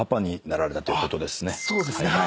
そうですねはい。